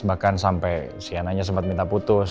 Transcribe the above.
bahkan sampai sienna nya sempet minta putus